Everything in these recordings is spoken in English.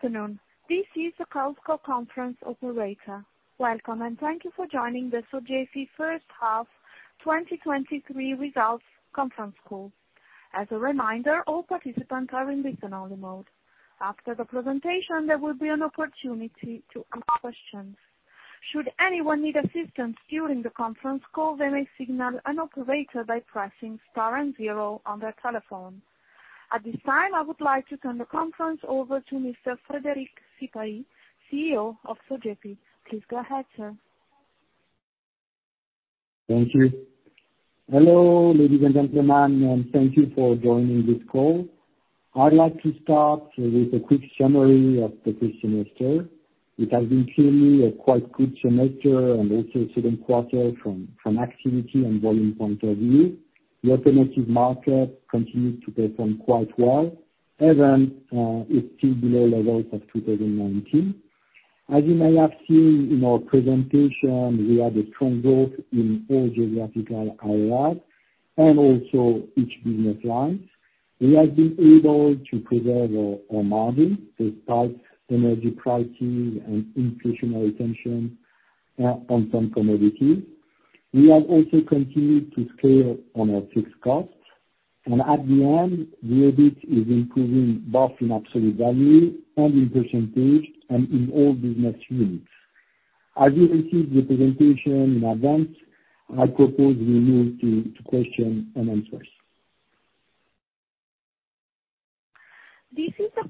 Good afternoon. This is the conference operator. Welcome, thank you for joining the Sogefi H1 2023 results conference call. As a reminder, all participants are in listen-only mode. After the presentation, there will be an opportunity to ask questions. Should anyone need assistance during the conference call, they may signal an operator by pressing star zero on their telephone. At this time, I would like to turn the conference over to Mr. Frédéric Sipahi, CEO of Sogefi. Please go ahead, sir. Thank you. Hello, ladies and gentlemen, and thank you for joining this call. I'd like to start with a quick summary of the first semester. It has been clearly a quite good semester and also Q2 from activity and volume point of view. The aftermarket continues to perform quite well, even it's still below levels of 2019. As you may have seen in our presentation, we have a strong growth in all geographical areas, and also each business units. We have been able to preserve our margin, despite energy pricing and inflationary tension on some commodities. We have also continued to scale on our fixed costs, and at the end, the EBIT is improving both in absolute value and in percentage, and in all business units. As you received the presentation in advance, I propose we move to question and answers. This is the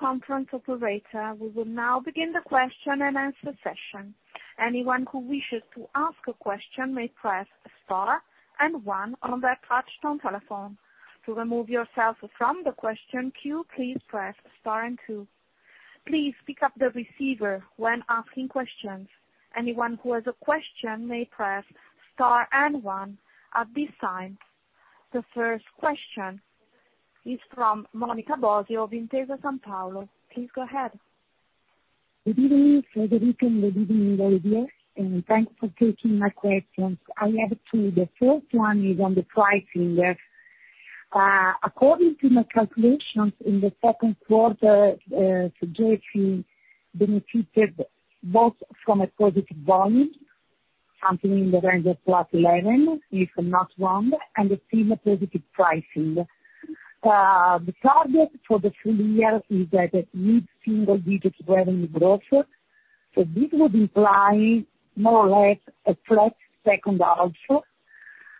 conference operator. We will now begin the question-and-answer session. Anyone who wishes to ask a question may press star and one on their touchtone telephone. To remove yourself from the question queue, please press star and two. Please pick up the receiver when asking questions. Anyone who has a question may press star and one. At this time, the first question is from Monica Bosio of Intesa Sanpaolo. Please go ahead. Good evening, Frédéric, and good evening, everybody, and thanks for taking my questions. I have two. The first one is on the pricing. According to my calculations in the Q2, Sogefi benefited both from a positive volume, something in the range of +11, if I'm not wrong, and it seemed a positive pricing. The target for the full year is at a mid-single digits revenue growth, this would imply more or less a flat H2 also.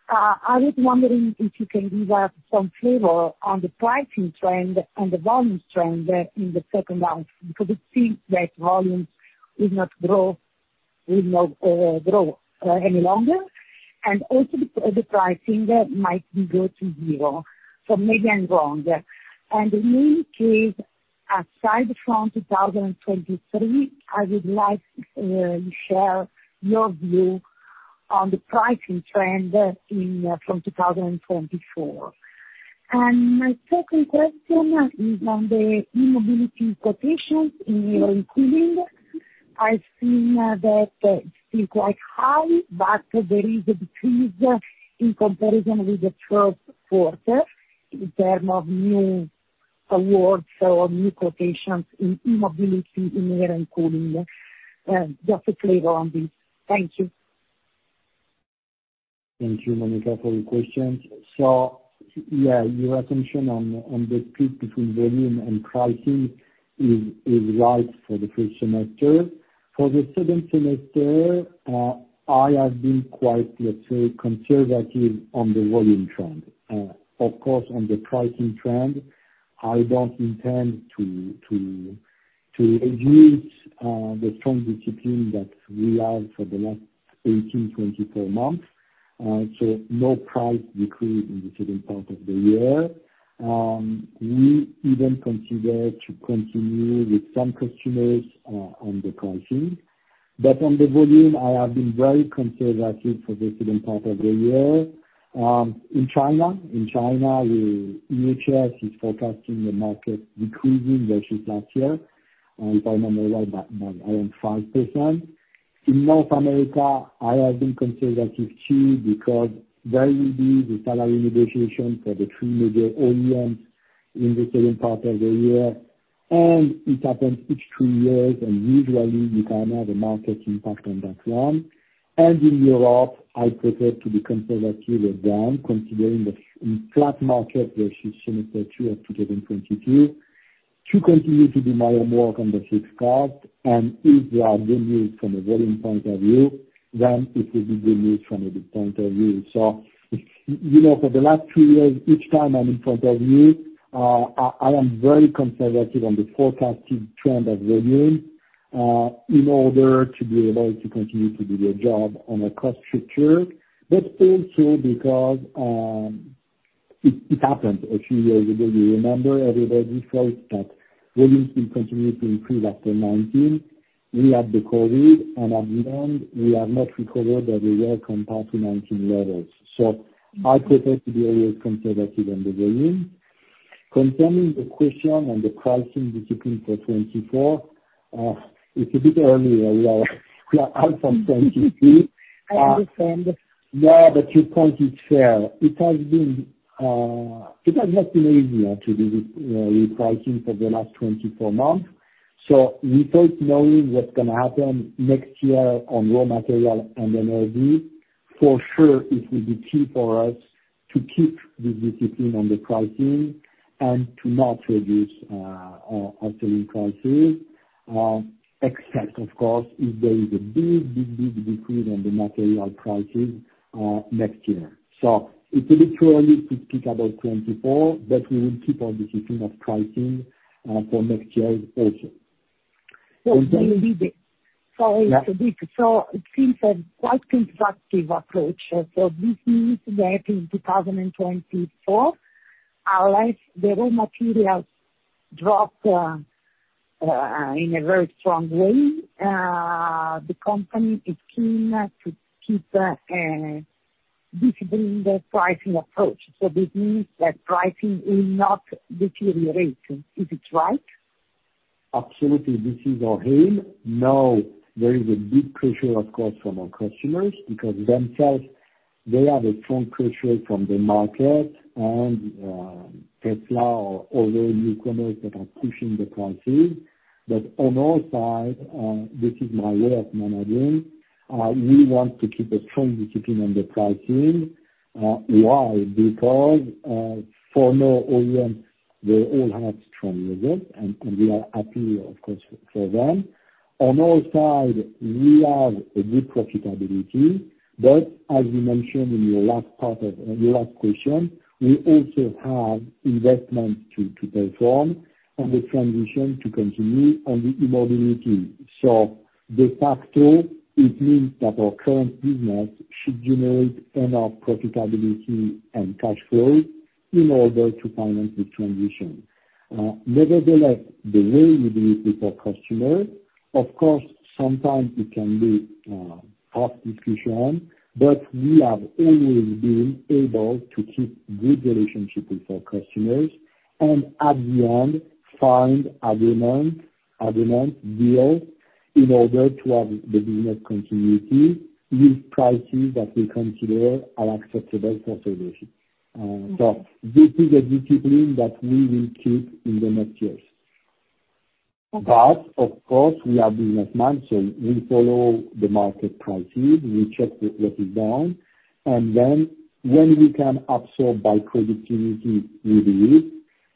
I was wondering if you can give us some flavor on the pricing trend and the volume trend in the H2, because it seems that volume will not grow, will not grow any longer, and also the pricing there might be go to zero. Maybe I'm wrong there. In any case, aside from 2023, I would like you share your view on the pricing trend, in, from 2024. My second question is on the e-mobility quotations in cooling. I've seen that it's still quite high, but there is a decrease in comparison with the 1st quarter in term of new awards or new quotations in e-mobility, in Air & Cooling. Just a clear on this. Thank you. Thank you, Monica, for your questions. Yeah, your attention on the split between volume and pricing is right for the first semester. For the second semester, I have been quite, let's say, conservative on the volume trend. Of course, on the pricing trend, I don't intend to reduce the strong discipline that we have for the last 18-24 months, so no price decrease in the second part of the year. We even consider to continue with some customers on the pricing. On the volume, I have been very conservative for the second part of the year. In China, in China, we initially is forecasting the market decreasing versus last year, if I remember well, by around 5%. In North America, I have been conservative too, because there will be the salary negotiation for the three major OEMs in the second part of the year. It happens each two years, and usually you can have a market impact on that one. In Europe, I prefer to be conservative again, considering the in flat market versus semester two of 2022, to continue to do my homework on the fixed cost. If there are good news from a volume point of view, it will be good news from a good point of view. If, you know, for the last two years, each time I'm in front of you, I am very conservative on the forecasted trend of volume in order to be able to continue to do the job on a cost structure. Also because, it happened a few years ago, you remember, everybody thought that volume will continue to increase after 2019, we had the COVID, and at the end we have not recovered the year compared to 2019 levels. I prefer to be always conservative on the volume. Concerning the question on the pricing discipline for 2024. It's a bit early, from point of view. I understand. Your point is fair. It has been, it has not been easy to do, repricing for the last 24 months. Without knowing what's gonna happen next year on raw material and energy, for sure it will be key for us to keep the discipline on the pricing, and to not reduce, our selling prices. Except of course, if there is a big, big, big decrease on the material prices, next year. It's a little early to speak about 2024, but we will keep our discipline of pricing, for next year also. So maybe- Yeah. Sorry, it seems a quite constructive approach. This means that in 2024, unless the raw materials drop in a very strong way, the company is keen to keep discipline the pricing approach. This means that pricing will not deteriorate. If it's right? Absolutely, this is our aim. Now, there is a big pressure, of course, from our customers, because themselves, they have a strong pressure from the market, andTesla or other newcomers that are pushing the prices. On our side, this is my way of managing, we want to keep a strong discipline on the pricing. Why? Because, for now, OEM, they all have strong results, and we are happy of course, for them. On our side, we have a good profitability, but as you mentioned in your last part of your last question, we also have investments to perform, on the transition to continue on the e-mobility. De Facto, it means that our current business should generate enough profitability and cash flow in order to finance the transition. Nevertheless, the way we do it with our customer, of course, sometimes it can be tough discussion, but we have always been able to keep good relationship with our customers, and at the end, find agreement, deal, in order to have the business continuity with prices that we consider are acceptable for Sogefi. This is a discipline that we will keep in the next years. Okay. Of course, we are businessmen, so we follow the market prices, we check with what is down, and then when we can absorb by productivity, we do it.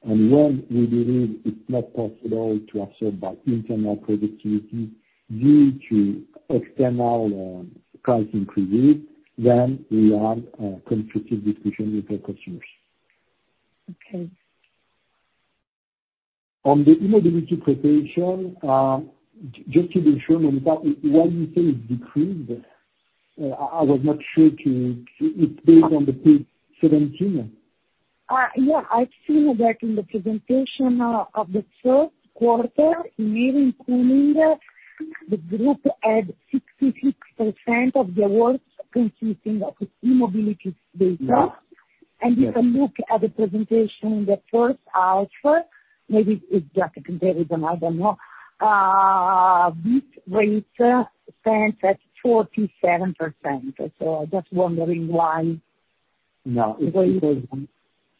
When we believe it's not possible to absorb by internal productivity due to external price increases, then we have a constructive discussion with our customers. Okay. On the e-mobility preparation, just to be sure, Monica, when you say it decreased, I was not sure to, it's based on the page 17? Yeah, I've seen that in the presentation of the Q3, including the group had 66% of the awards consisting of e-mobility data. Yeah. If you look at the presentation in the first, maybe it's just a comparison, I don't know. This rate stands at 47%. Just wondering why? No, it's because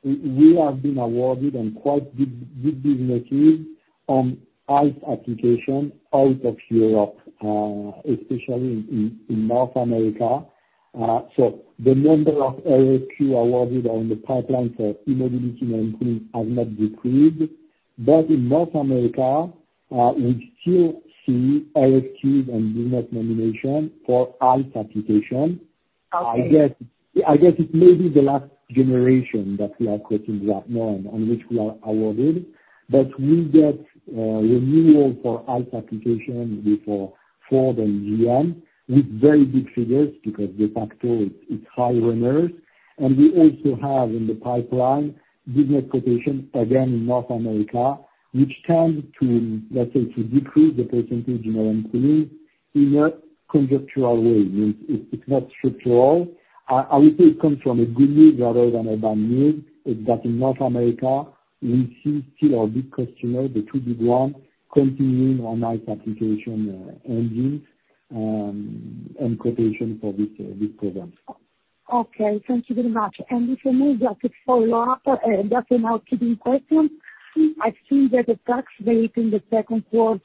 we have been awarded and quite good businesses on ICE application out of Europe, especially in North America. The number of RFQ awarded on the pipeline for e-mobility mentoring has not decreased. In North America, we still see RFQs and business nomination for ICE application. Okay. I guess it may be the last generation that we are getting right now, and on which we are awarded. We get renewal for ICE application with for Ford and GM with very big figures, because de facto, it's high runners. We also have in the pipeline, business quotations, again, in North America, which tend to, let's say, to decrease the percentage in our incoming in a conjectural way. It's not structural. I would say it comes from a good news rather than a bad news, is that in North America, we see still our big customer, the two big one, continuing on ICE application engines and quotation for this program. Okay, thank you very much. If I may, just to follow up, just another quick question. I've seen that the tax rate in the Q2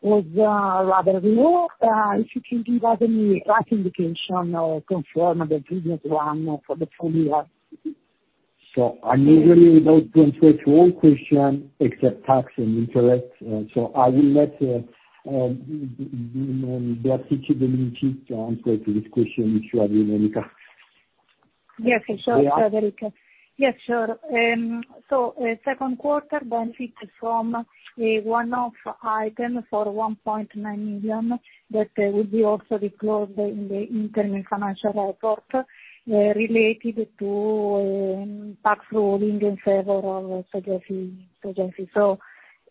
was rather low. If you can give us any tax indication, or confirm the business run for the full year? I usually don't answer all question except tax and interest, so I will let Beatrice De Minicis to answer to this question, sure, Monica. Yes, sure, Frédéric. Yes, sure. Q2 benefit from a one-off item for 1.9 million, that will be also disclosed in the interim financial report, related to a tax ruling in favor of Sogefi.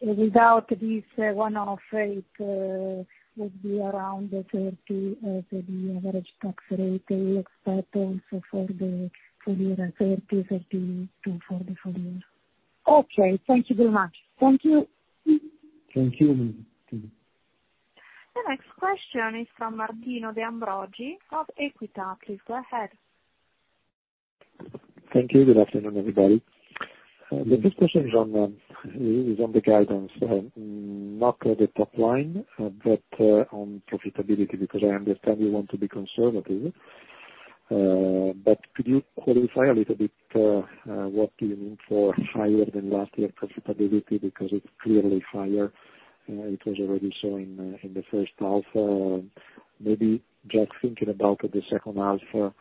Without this one-off, it would be around 30%, the average tax rate. We expect also for the full year 30%-32% for the full year. Okay. Thank you very much. Thank you. Thank you. The next question is from Martino De Ambroggi of Equita. Please go ahead. Thank you. Good afternoon, everybody. The first question is on the guidance, not on the top line, but on profitability, because I understand you want to be conservative. Could you qualify a little bit, what do you mean for higher than last year profitability? Because it's clearly higher, it was already showing in the H1. Maybe just thinking about the H2,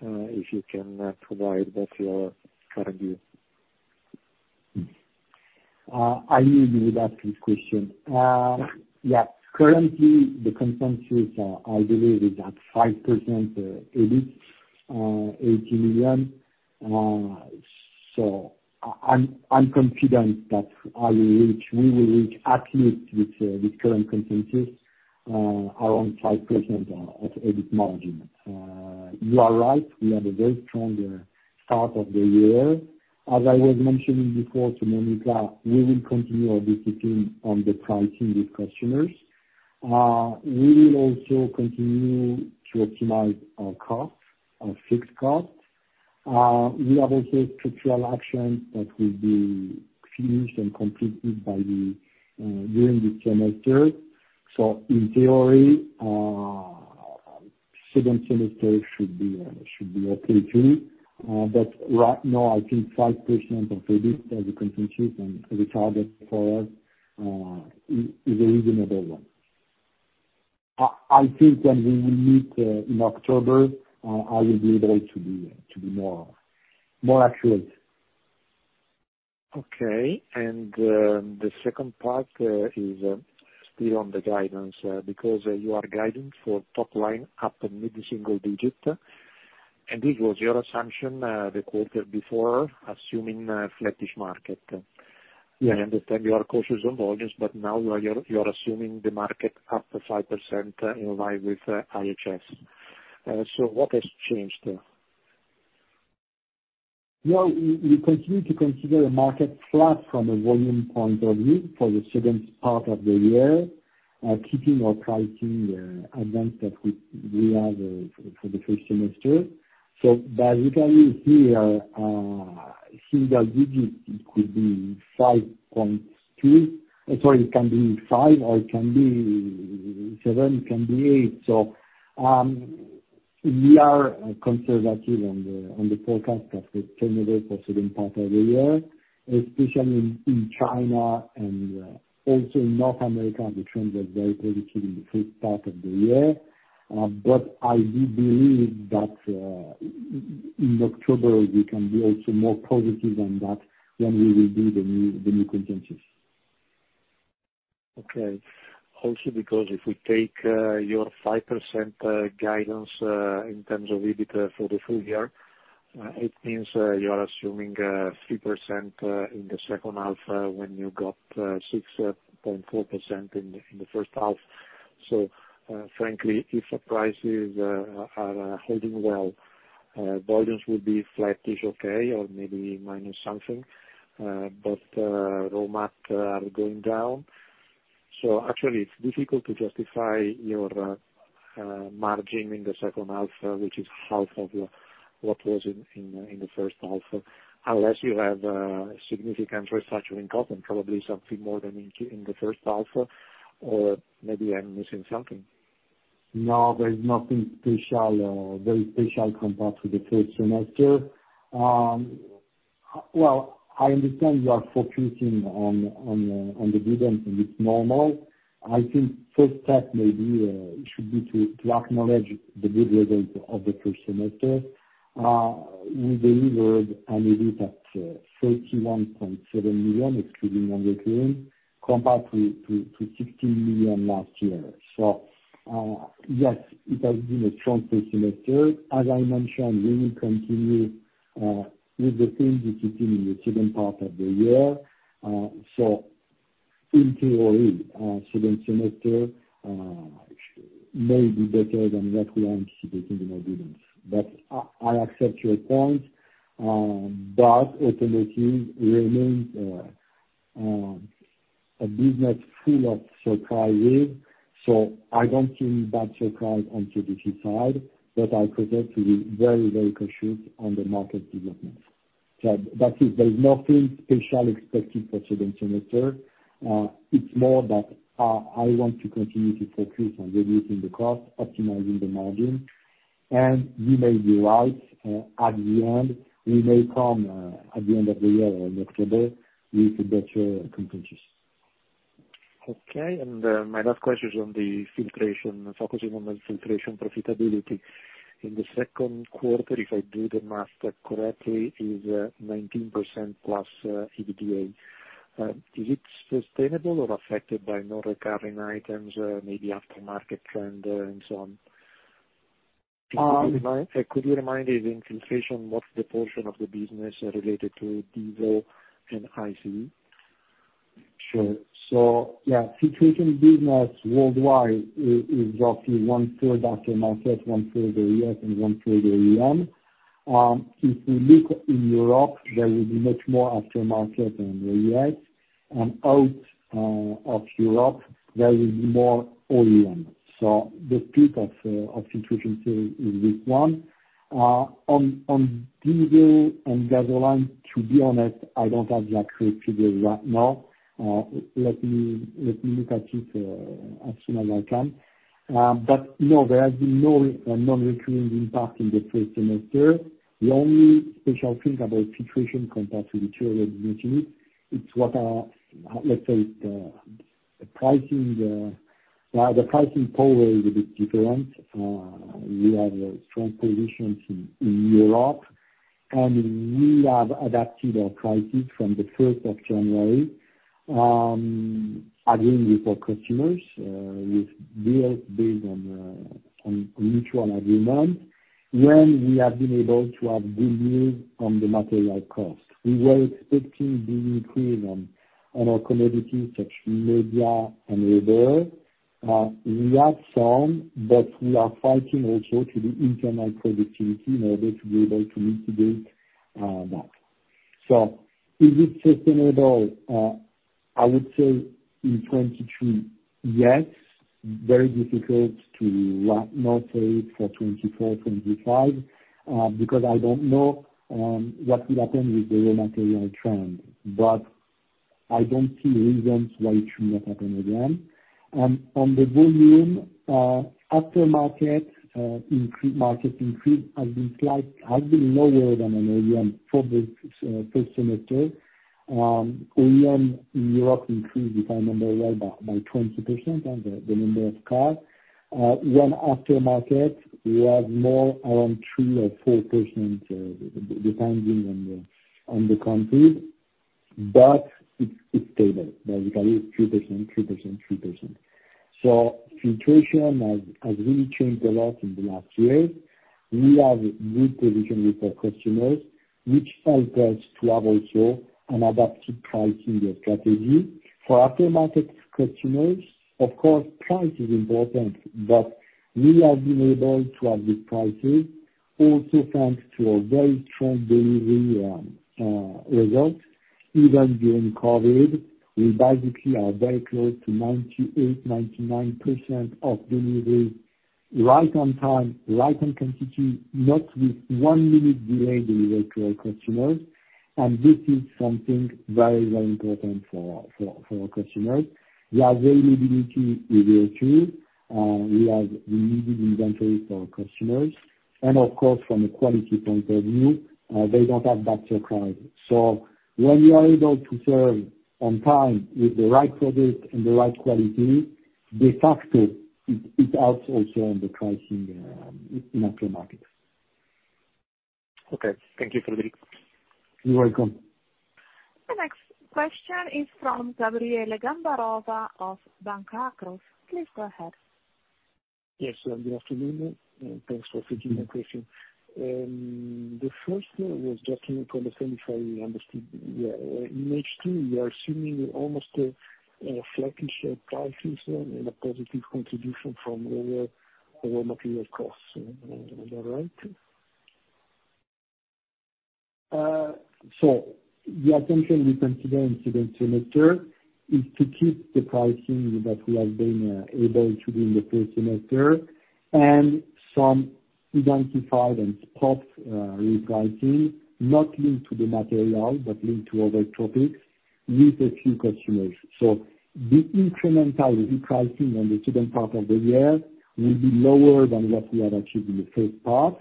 if you can, provide what's your current view? I knew you would ask this question. Yeah, currently, the consensus, I believe, is at 5% EBIT, EUR 80 million. I'm confident that I will reach, we will reach at least with current consensus, around 5% of EBIT margin. You are right, we have a very strong start of the year. As I was mentioning before to Monica, we will continue our discipline on the pricing with customers. We will also continue to optimize our costs, our fixed costs. We have also structural actions that will be finished and completed by the during the semester. In theory, second semester should be, should be okay, too. Right now, I think 5% of EBIT as a consensus and the target for us, is a reasonable one. I think when we will meet in October, I will be able to be more accurate. Okay, the second part, is still on the guidance, because you are guiding for top line up in mid-single digit, and this was your assumption, the quarter before, assuming a flattish market. Yeah. I understand you are cautious on volumes, now you're assuming the market up to 5% in line with IHS. What has changed there? Well, we continue to consider the market flat from a volume point of view for the second part of the year, keeping our pricing advance that we have for the first semester. Basically here, single digits, it could be 5.2, sorry, it can be five, or it can be seven, it can be eight. We are conservative on the forecast of the second part of the year, especially in China and also in North America, the trends are very positive in the first part of the year. I do believe that in October, we can be also more positive than that when we review the new consensus. Okay. Also, because if we take your 5% guidance in terms of EBIT for the full year, it means you are assuming 3% in the H2 when you got 6.4% in the H1. Frankly, if prices are holding well, volumes will be flattish okay, or maybe minus something, but raw material are going down. Actually, it's difficult to justify your margin in the H2, which is half of your, what was in the H1, unless you have significant restructuring costs, and probably something more than in the H1, or maybe I'm missing something. No, there is nothing special, very special compared to the first semester. Well, I understand you are focusing on, on the guidance, it's normal. I think first step maybe, should be to acknowledge the good results of the first semester. We delivered an EBIT at 31.7 million, excluding under clean, compared to 16 million last year. Yes, it has been a strong first semester. As I mentioned, we will continue with the same discipline in the second part of the year. In theory, second semester, may be better than what we anticipated in our guidance. I accept your point. Automotive remains a business full of surprises. I don't see bad surprise on traditional side. I prefer to be very, very cautious on the market development. That's it. There's nothing special expected for second semester. It's more that I want to continue to focus on reducing the cost, optimizing the margin, and you may be right, at the end, we may come, at the end of the year or in October with better consensus. My last question is on the filtration, focusing on the filtration profitability. In the Q2, if I do the math correctly, is 19% plus EBITDA. Is it sustainable or affected by non-recurring items, maybe aftermarket trend, and so on? Um- Could you remind me the filtration, what's the portion of the business related to diesel and ICE? Sure. Yeah, filtration business worldwide is roughly one-third aftermarket, one-third U.S., and one-third OEM. If you look in Europe, there will be much more aftermarket than the U.S., and out of Europe, there will be more OEM. The split of situation is this one. On diesel and gasoline, to be honest, I don't have the accurate figures right now. Let me look at it as soon as I can. No, there has been no non-recurring impact in the first semester. The only special thing about situation compared to the two other units, it's what, let's say, the pricing, well, the pricing power is a bit different. We have a strong positions in Europe, we have adapted our pricing from the 1st of January, again, with our customers, with deal based on mutual agreement, when we have been able to have good news on the material cost. We were expecting the increase on our commodity, such media and other. We have some, we are fighting also to the internal productivity in order to be able to mitigate that. Is it sustainable? I would say in 2023, yes, very difficult to not say it for 2024, 2025, because I don't know what will happen with the raw material trend, I don't see reasons why it should not happen again. On the volume, aftermarket, market increase has been lower than OEM for the first semester. OEM in Europe increased, if I remember well, by 20% on the number of cars. When aftermarket, we have more around 3% or 4%, depending on the country, but it's stable. Basically, it's 3%. Situation has really changed a lot in the last years. We have good position with our customers, which help us to have also an adaptive pricing strategy. For aftermarket customers, of course, price is important, but we have been able to have good prices, also thanks to a very strong delivery result. Even during COVID, we basically are very close to 98%, 99% of delivery, right on time, right on inaudible, not with one minute delay delivery to our customers. This is something very, very important for our customers. The availability is there too. We have immediate inventory for our customers. Of course, from a quality point of view, they don't have better quality. When you are able to serve on time with the right product and the right quality, this factor, it helps also on the pricing in aftermarkets. Okay, thank you, Frédéric. You're welcome. The next question is from Gabriele Gambarova of Banca Akros. Please go ahead. Yes, good afternoon. Thanks for taking my question. The first one was just to confirm if I understood, in H2, you are assuming almost flattish prices and a positive contribution from lower material costs. Am I right? The intention we consider in second semester is to keep the pricing that we have been able to do in the first semester, and some identified and spot repricing, not linked to the material, but linked to other topics with a few customers. The incremental repricing on the second part of the year will be lower than what we had achieved in the H1,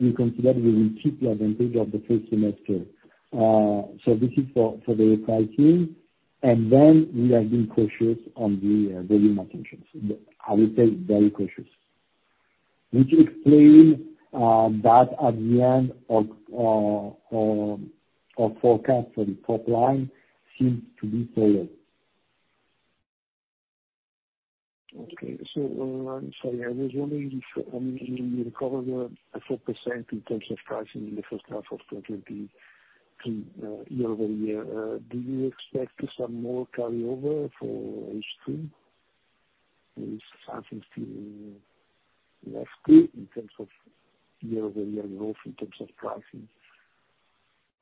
but we consider we will keep the advantage of the first semester. This is for the repricing, and then we are being cautious on the volume intentions. I would say very cautious. Which explain that at the end of our forecast for the top line seems to be lower. Okay. I'm sorry, I was wondering if, I mean, you recovered 4% in terms of pricing in the H1 of 2023, year-over-year. Do you expect some more carryover for H2? Is something still left in terms of year-over-year growth, in terms of pricing?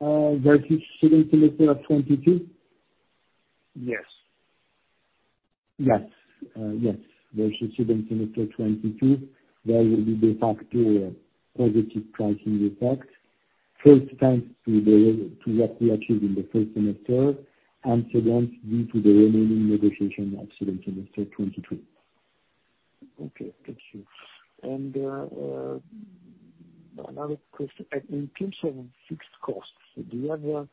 versus second semester of 2022? Yes. Yes. Yes, versus second semester 2022, there will be the factor, positive pricing effect, first, thanks to what we achieved in the first semester, and second, due to the remaining negotiation of second semester 2022. Okay, thank you. Another question, in terms of fixed costs, do you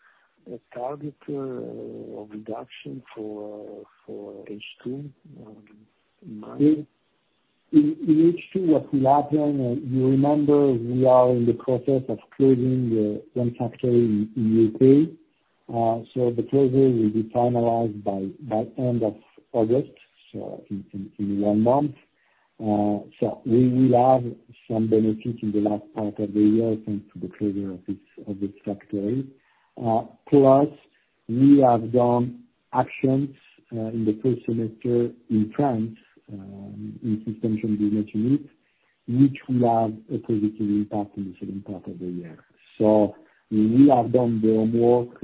have a target of reduction for H2 in mind? In H2, what will happen, you remember we are in the process of closing the one factory in U.K.. The closing will be finalized by end of August, so in one month. We will have some benefit in the last part of the year, thanks to the closure of this factory. Plus we have done actions in the first semester in France, in Suspensions business unit, which will have a positive impact in the second part of the year. We have done the homework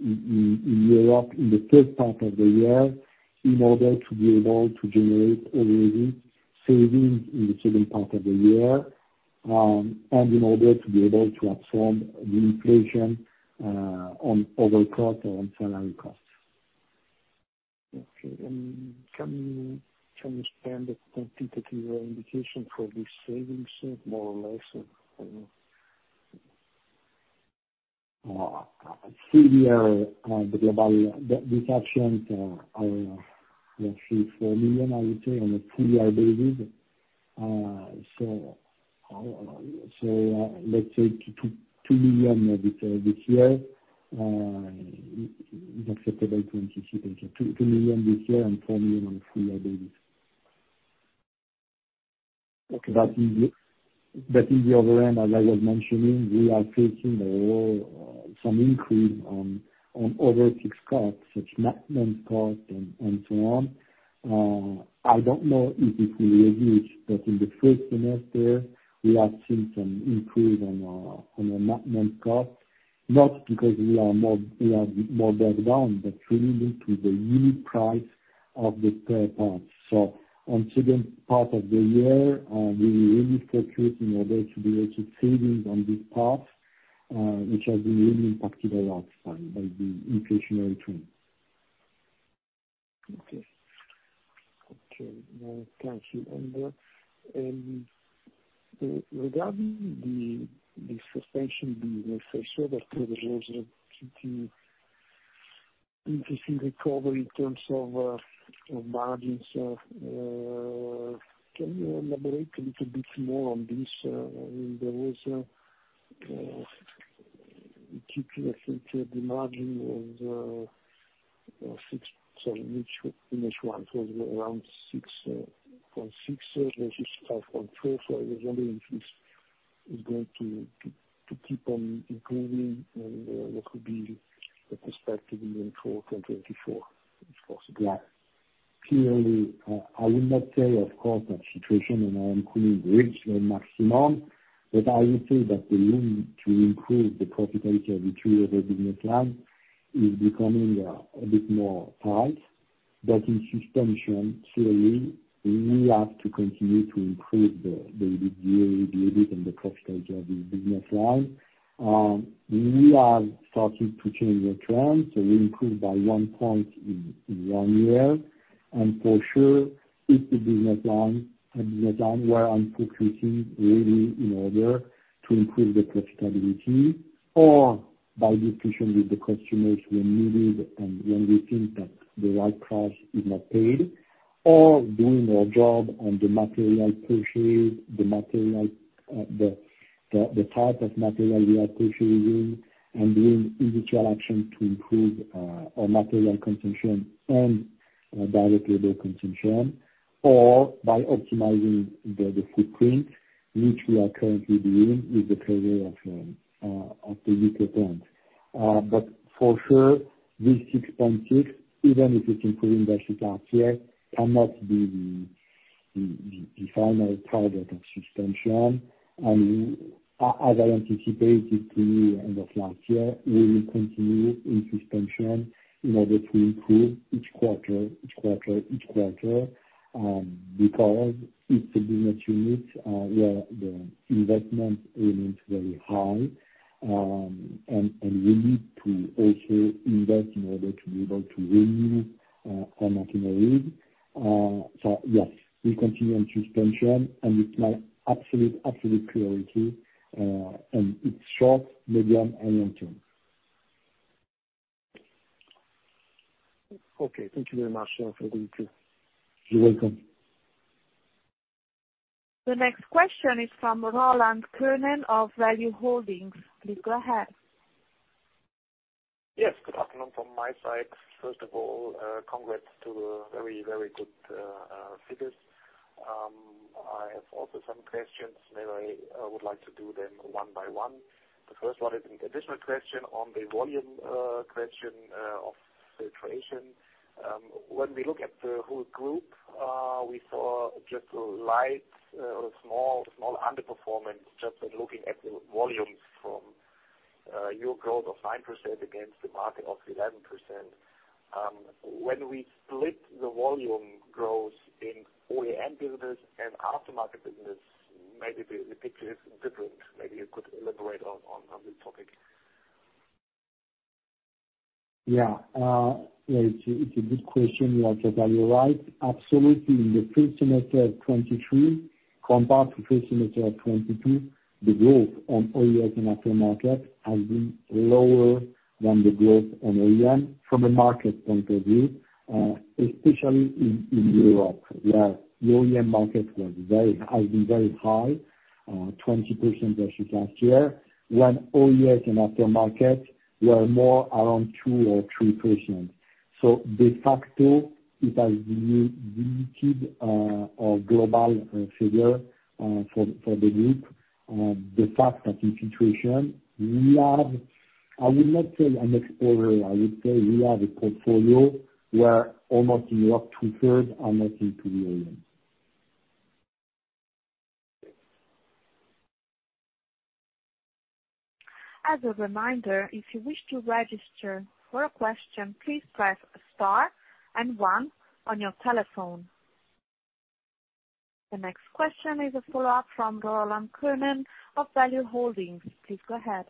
in Europe, in the first part of the year, in order to be able to generate a really savings in the second part of the year. In order to be able to absorb the inflation on overall cost and on salary costs. Okay, can you expand the quantitative indication for these savings, more or less? full year, the global, the, these actions, are actually 4 million, I would say, on a full year basis. Let's say 2 million this year is acceptable to anticipate. 2 million this year, and 4 million on a full year basis. Okay, that is. In the other end, as I was mentioning, we are facing a low, some increase on other fixed costs, such maintenance cost, and so on. I don't know if it will reduce, but in the first semester, we have seen some improve on the maintenance cost, not because we are more background, but really to the unit price of the spare parts. On second part of the year, we will really focus in order to be able to savings on this path, which has been really impacted a lot by the inflationary trends. Okay. Okay, thank you. Regarding the Suspensions business, so that there was a pretty interesting recovery in terms of margins, can you elaborate a little bit more on this? There was Q2, I think, the margin was 6%, sorry, in each one, so around 6.6%, versus 5.4%. I was wondering if it's going to keep on improving, and what could be the perspective even for 2024, if possible? Clearly, I would not say, of course, that situation and I'm putting reach the maximum, but I will say that the room to improve the profitability of the two other business line is becoming a bit more tight. In Suspensions, clearly, we have to continue to improve the profitability of the business line. We are starting to change the trend, we improved by one point in one year. For sure, it's a business line where I'm focusing really in order to improve the profitability, or by negotiation with the customers when needed, and when we think that the right price is not paid, or doing our job on the material procurement, the type of material we are procuring, and doing individual action to improve our material consumption and direct labor consumption, or by optimizing the footprint which we are currently doing with the closure of the U.K. plant. For sure, this 6.6%, even if it's improving versus last year, cannot be the final product of Suspensions. As I anticipated to you end of last year, we will continue in Suspensions in order to improve each quarter, because it's a business unit where the investment remains very high. And we need to also invest in order to be able to renew our materials. Yes, we continue on Suspensions, and it's my absolute priority, and it's short, medium, and long term. Okay. Thank you very much, sir, for the info. You're welcome. The next question is from Roland Kernen of Value Holdings. Please go ahead. Yes, good afternoon from my side. First of all, congrats to very good figures. I have also some questions, maybe I would like to do them one by one. The first one is an additional question on the volume question of Filtration. When we look at the whole group, we saw just a light, small underperformance, just in looking at the volumes from your growth of 9% against the market of 11%. When we split the volume growth in OEM business and aftermarket business, maybe the picture is different. Maybe you could elaborate on this topic. Yeah. Yeah, it's a good question, Roland. You're right, absolutely. In the first semester of 2023, compared to first semester of 2022, the growth on OEM and aftermarket has been lower than the growth on OEM from a market point of view, especially in Europe, where the OEM market has been very high, 20% versus last year, when OEMs and aftermarket were more around 2% or 3%. De facto, it has been limited, our global figure for the group. The fact that the situation we have, I would not say an explorer, I would say we have a portfolio where almost in up to third are looking to million. As a reminder, if you wish to register for a question, please press star one on your telephone. The next question is a follow-up from Roland Kernen of Value Holdings. Please go ahead.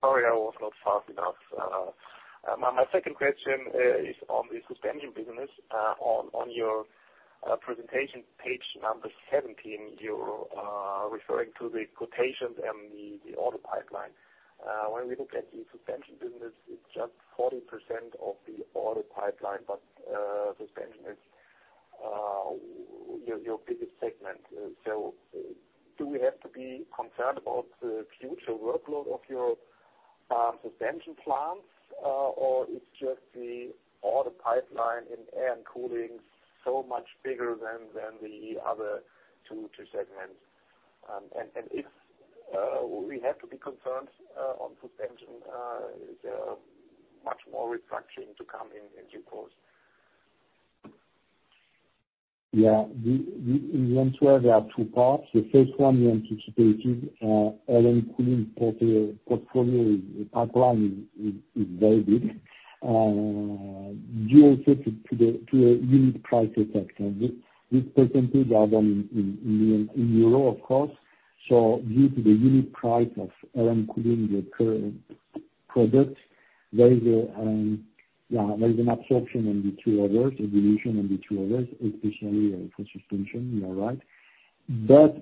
Sorry, I was not fast enough. My second question is on the Suspensions business. On your presentation, page number 17, you're referring to the quotations and the order pipeline. When we look at the Suspensions business, it's just 40% of the order pipeline, but Suspensions is your biggest segment. Do we have to be concerned about the future workload of your Suspensions plans, or it's just the order pipeline in Air & Cooling, so much bigger than the other two segments? If we have to be concerned on Suspensions, is there much more retraction to come in due course? We in one way there are two parts. The first one, we anticipated, Air & Cooling portfolio pipeline is very big. Due also to the unit price effect. This percentage are done in EUR, of course. Due to the unit price of Air & Cooling, the current product, there is an absorption in the two others, a dilution in the two others, especially for Suspensions, you are right.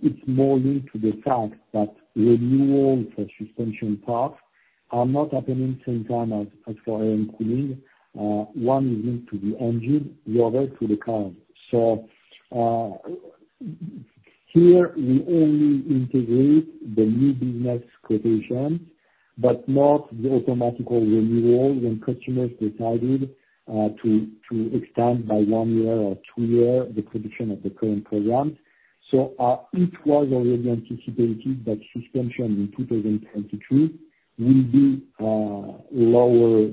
It's more linked to the fact that renewal for Suspensions parts are not happening same time as for Air & Cooling. One is linked to the engine, the other to the car. Here, we only integrate the new business quotations, but not the automatically renewal when customers decided to extend by one year or two years the prediction of the current programs. It was already anticipated that Suspensions in 2023 will be lower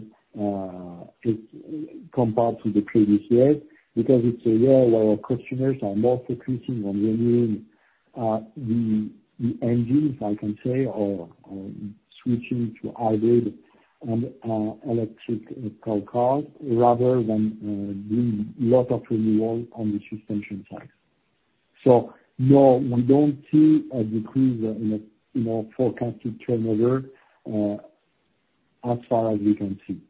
compared to the previous years, because it's a year where our customers are more focusing on renewing the engines, I can say, or switching to hybrid and electric car rather than doing lot of renewal on the Suspensions side. No, we don't see a decrease in the, in our forecasted turnover as far as we can see.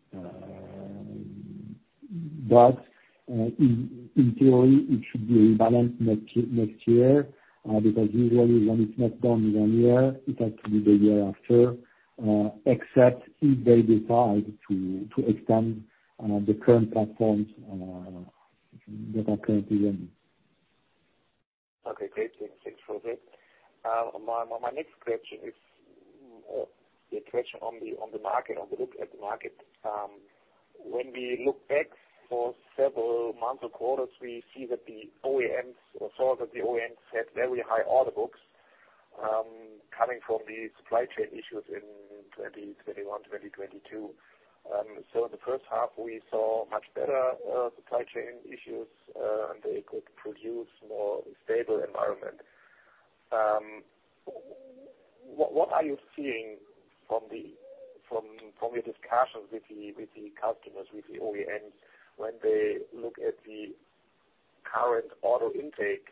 In theory, it should be rebalanced next year because usually when it's not done one year, it has to be the year after, except if they decide to extend the current platforms that are currently running. Okay, great. Thanks for that. My next question is the question on the market, on the look at the market. When we look back for several months or quarters, we see that the OEMs, or saw that the OEMs had very high order books, coming from the supply chain issues in 2021, 2022. The H1, we saw much better supply chain issues, and they could produce more stable environment. What are you seeing from your discussions with the customers, with the OEMs, when they look at the current auto intake?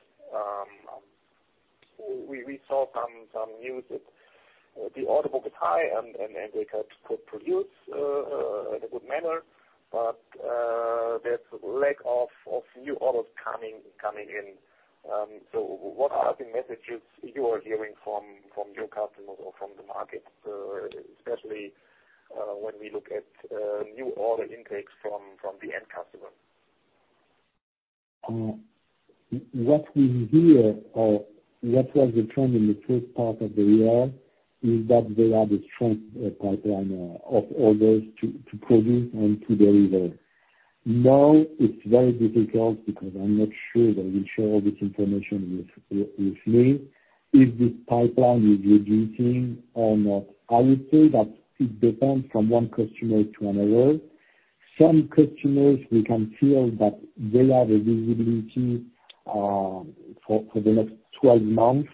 We saw some news that the order book is high and they had to produce in a good manner. There's lack of new orders coming in. What are the messages you are hearing from your customers or from the market, especially when we look at new order intakes from the end customer? What we hear, or what was the trend in the first part of the year, is that there are the strong pipeline of orders to produce and to deliver. Now, it's very difficult because I'm not sure they will share all this information with me, if this pipeline is reducing or not. I would say that it depends from one customer to another. Some customers, we can feel that they have a visibility for the next 12 months,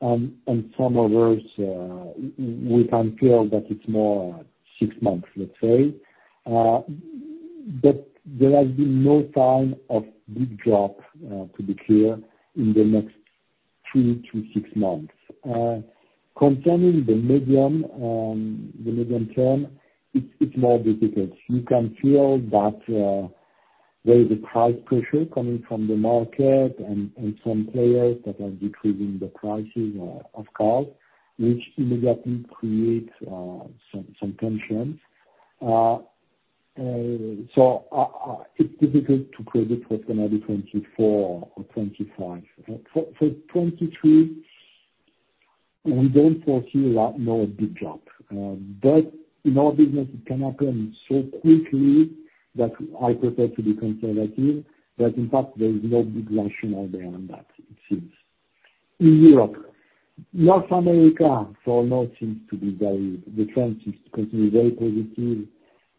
and some others, we can feel that it's more six months, let's say. There has been no sign of big drop to be clear, in the next three to six months. Concerning the medium, the medium term, it's more difficult. You can feel that there is a price pressure coming from the market and some players that are decreasing the prices of cars, which immediately creates some tensions. It's difficult to predict what's gonna be 2024 or 2025. For 2023... We don't foresee a lot, a big drop. In our business, it can happen so quickly that I prefer to be conservative, but in fact, there is no big rational there on that, it seems. In Europe, North America, for now, seems to be the trend seems to continue very positive.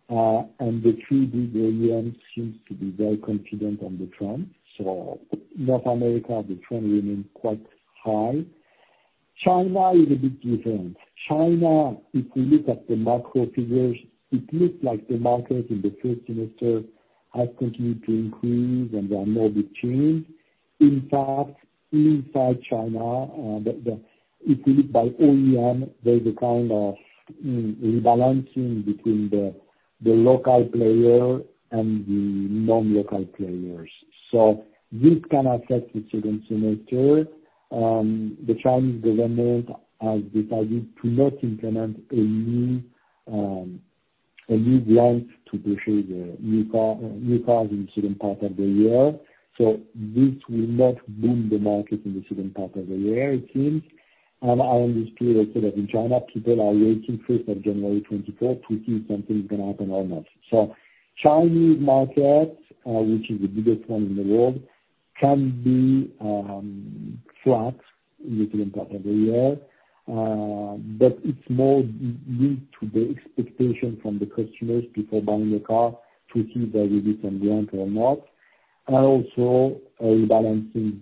The three big OEMs seems to be very confident on the trend. North America, the trend remain quite high. China is a bit different. China, if you look at the macro figures, it looks like the market in the first semester has continued to increase, and there are no big change. In fact, inside China, if you look by OEM, there's a kind of rebalancing between the local player and the non-local players. This can affect the second semester. The Chinese government has decided to not implement a new grant to purchase the new car, new cars in the second part of the year. This will not boom the market in the second part of the year, it seems. I understand also that in China, people are waiting first of January 2024 to see if something's gonna happen or not. Chinese market, which is the biggest one in the world, can be flat in the second part of the year. It's more linked to the expectation from the customers before buying a car, to see whether this can grant or not, and also a rebalancing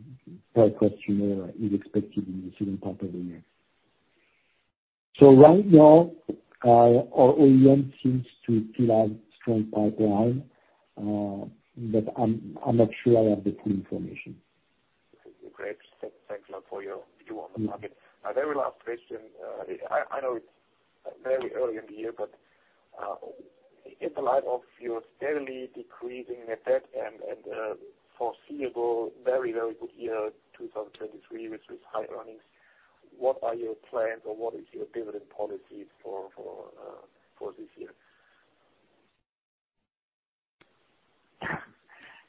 by customer is expected in the second part of the year. Right now, our OEM seems to still have strong pipeline, but I'm not sure I have the full information. Great. Thanks a lot for your view on the market. My very last question, I know it's very early in the year, but, in the light of your steadily decreasing net debt and, foreseeable very good year, 2023, which is high earnings, what are your plans, or what is your dividend policy for this year?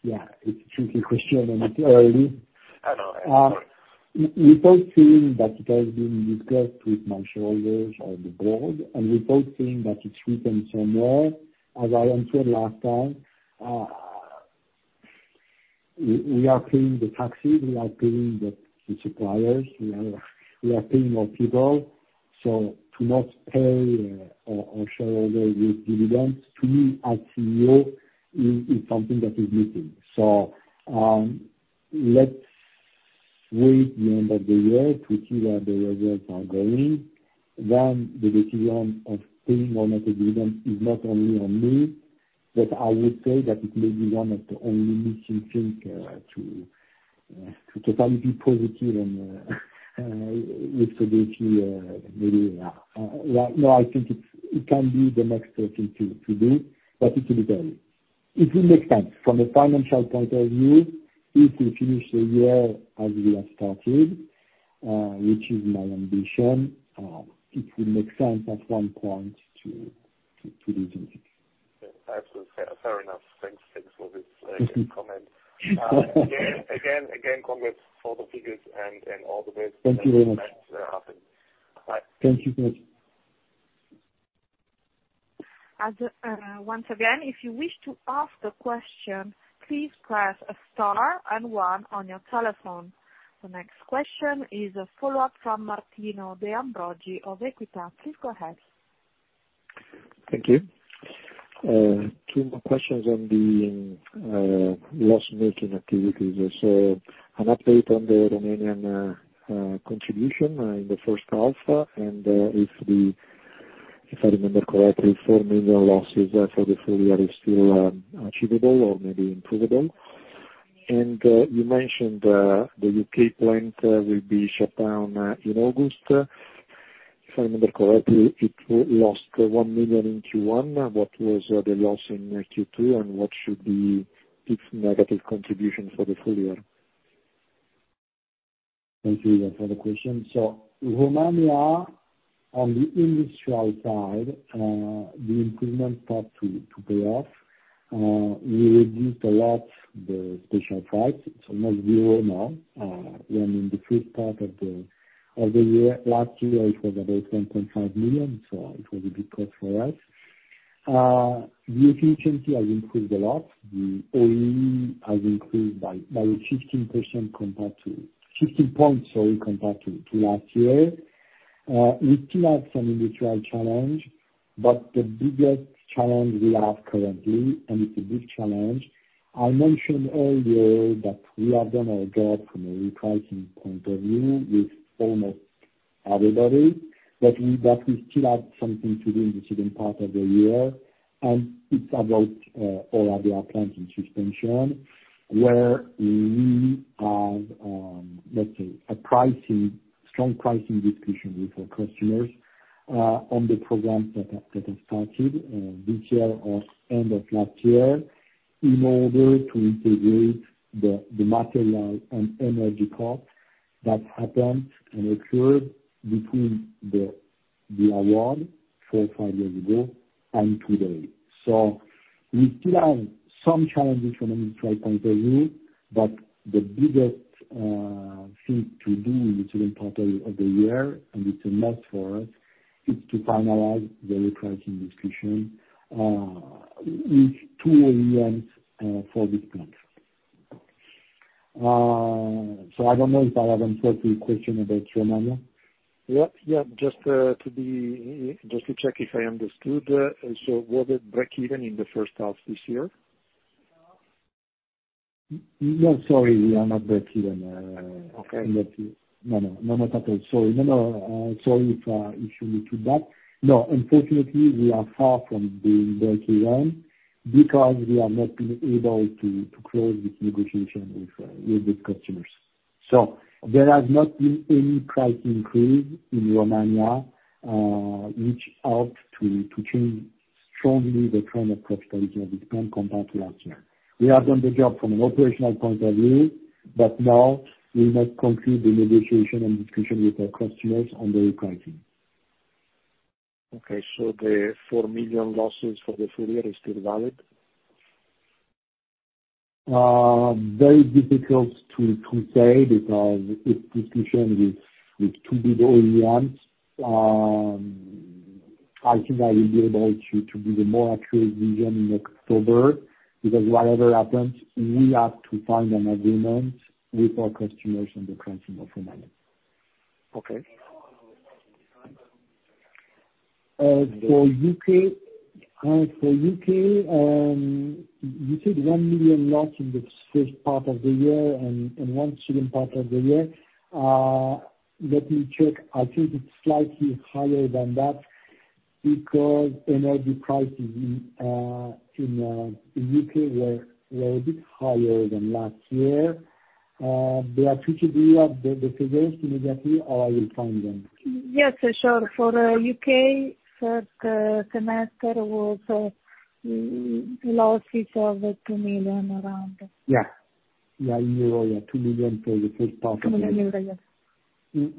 Yeah, it's a tricky question. It's early. I know. We both think that it has been discussed with my shareholders on the board, we both think that it's written somewhere. As I answered last time, we are paying the taxes, we are paying the suppliers, we are paying our people. To not pay our shareholder with dividends, to me, as CEO, is something that is missing. Let's wait the end of the year to see where the results are going. The decision of paying or not a dividend is not only on me, I would say that it may be one of the only missing thing to totally be positive and with stability, maybe, well, no, I think it's, it can be the next thing to do. It will be done. It will make sense from a financial point of view, if we finish the year as we have started, which is my ambition, it will make sense at one point to do this. Yeah. Absolutely. Fair enough. Thanks. Thanks for this good comment. Again, congrats for the figures and all the best. Thank you very much. Bye. Thank you, good. Once again, if you wish to ask a question, please press star and one on your telephone. The next question is a follow-up from Martino De Ambroggi of Equita. Please go ahead. Thank you. two more questions on the loss-making activities. an update on the Romanian contribution in the H1. if I remember correctly, 4 million losses for the full year is still achievable or maybe improvable. you mentioned the U.K. plant will be shut down in August. If I remember correctly, it lost 1 million in Q1. What was the loss in Q2, and what should be its negative contribution for the full year? Thank you, yeah, for the question. Romania, on the industrial side, the improvement start to pay off. We reduced a lot the special price. It's almost zero now. When in the first part of the year, last year, it was about 10.5 million, so it was a big cost for us. The efficiency has improved a lot. The OE has improved by 15% compared to 15 points, sorry, compared to last year. We still have some individual challenge, but the biggest challenge we have currently, and it's a big challenge, I mentioned earlier that we have done a gap from a repricing point of view with almost everybody. We still have something to do in the second part of the year, and it's about all of our plants in Suspensions, where we have, let's say, a pricing, strong pricing discipline with our customers on the programs that have started this year or end of last year, in order to integrate the material and energy cost that happened and occurred between the award four, five years ago and today. We still have some challenges from an industrial point of view, but the biggest thing to do in the second part of the year, and it's a must for us, is to finalize the repricing discussion with two OEMs for this plant. I don't know if I have answered your question about Romania? Yeah, yeah. Just to check if I understood, so was it breakeven in the H1 this year? No, sorry, we are not breakeven. Okay. No, no. No, not at all. Sorry. No, no, sorry if you took that. No, unfortunately, we are far from being breakeven, because we have not been able to close this negotiation with these customers. There has not been any price increase in Romania, which helped to change strongly the trend of profitability of this plant compared to last year. We have done the job from an operational point of view, now we must conclude the negotiation and discussion with our customers on the repricing. Okay, the 4 million losses for the full year is still valid? Very difficult to say, because it's discussion with two big OEMs. I think I will be able to give a more accurate vision in October, because whatever happens, we have to find an agreement with our customers on the pricing of Romania. Okay. For U.K., you said 1 million loss in the first part of the year and 1 million second part of the year. Let me check. I think it's slightly higher than that, because energy prices in the U.K. were a bit higher than last year. Beatrice, do you have the figures immediately, or I will find them? Yes, sure. For U.K., first semester was losses of 2 million, around. Yeah. In 2 million euro for the first part of the year. 2 million euro. Mm-hmm.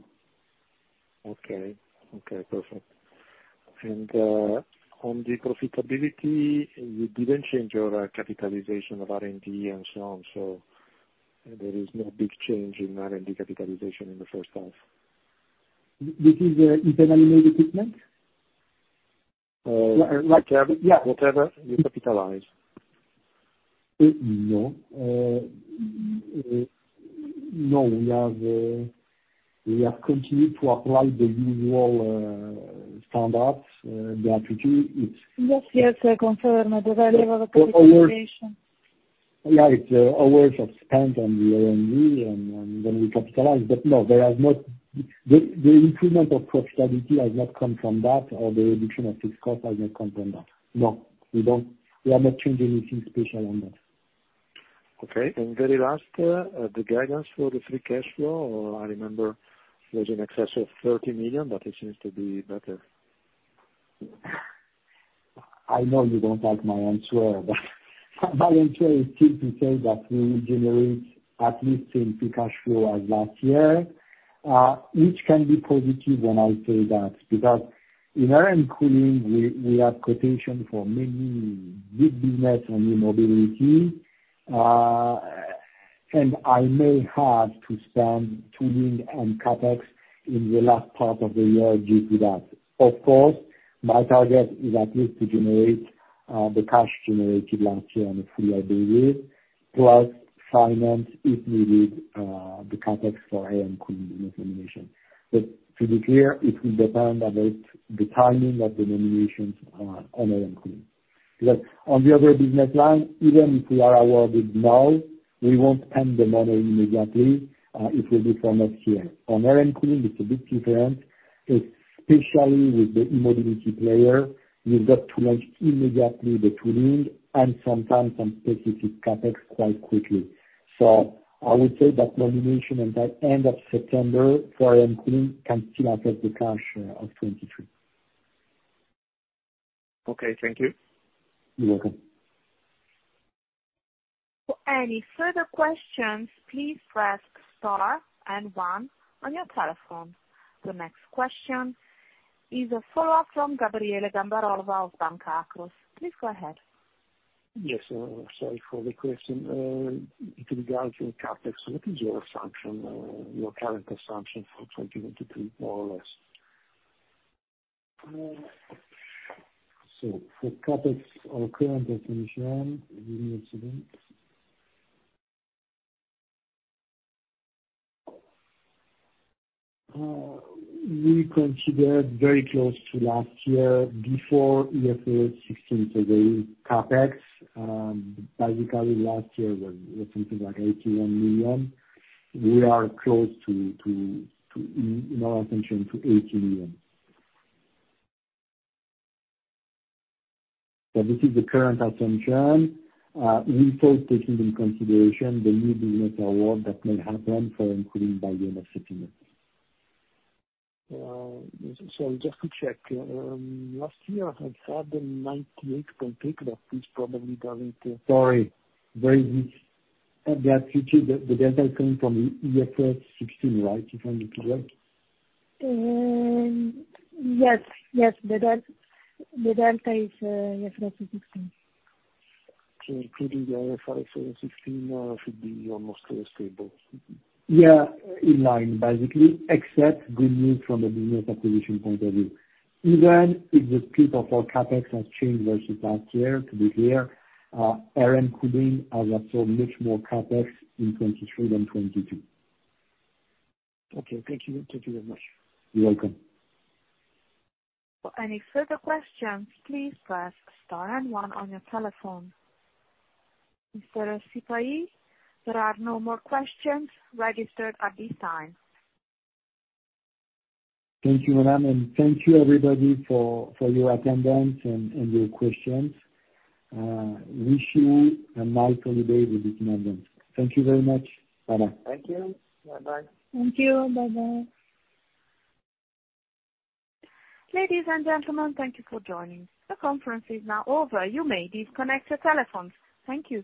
Okay. Okay, perfect. On the profitability, you didn't change your capitalization of R&D and so on, so there is no big change in R&D capitalization in the H1? This is, internally made equipment? Yeah, whatever you capitalize. No. No, we have continued to apply the usual standards, Beatrice. Yes, yes, I confirm the value of capitalization. Yeah, it's hours of spend on the R&D, and then we capitalize. No, there is not. The improvement of profitability has not come from that, or the reduction of fixed cost has not come from that. No, we don't, we are not doing anything special on that. Very last, the guidance for the free cash flow, or I remember it was in excess of 30 million, but it seems to be better. I know you don't like my answer, my answer is still to say that we will generate at least same free cashflow as last year. Which can be positive when I say that, because in Air & Cooling, we have quotation for many big business on mobility. I may have to spend tooling and CapEx in the last part of the year due to that. Of course, my target is at least to generate the cash generated last year on a full year basis, plus finance, if needed, the CapEx for Air & Cooling nomination. To be clear, it will depend on the timing of the nominations on Air & Cooling. On the other business line, even if we are awarded now, we won't spend the money immediately, it will be from next year. On Air & Cooling it's a bit different, especially with the e-mobility player, you've got to launch immediately the tooling, and sometimes some specific CapEx quite quickly. I would say that nomination at the end of September for Air & Cooling can still affect the cash of 2023. Okay, thank you. You're welcome. For any further questions, please press star and one on your telephone. The next question is a follow-up from Gabriele Gambarova of Banca Akros. Please go ahead. Yes, sorry for the question. Regarding CapEx, what is your assumption, your current assumption for 2023, more or less? For CapEx, our current assumption, give me a second. We consider very close to last year, before IFRS 16 today, CapEx, basically last year was something like 81 million. We are close to, in our assumption, to 80 million. This is the current assumption, taking into consideration the new business award that may happen for including by end of September. Just to check, last year I had 98.8, that is probably. Sorry, very brief. Beatrice, the data coming from IFRS 16, right? If I read right. Yes, the delta is, yes, IFRS 16. Including the other five, 16 should be almost stable. In line, basically, except good news from the business acquisition point of view. Even if the split of our CapEx has changed versus last year, to be clear, Air & Cooling has absorbed much more CapEx in 2023 than 2022. Okay. Thank you. Thank you very much. You're welcome. For any further questions, please press star and one on your telephone. Mr. Sipahi, there are no more questions registered at this time. Thank you, ma'am, and thank you everybody for your attendance and your questions. Wish you a nice holiday weekend ahead. Thank you very much. Bye-bye. Thank you. Bye-bye. Thank you. Bye-bye. Ladies and gentlemen, thank you for joining. The conference is now over. You may disconnect your telephones. Thank you.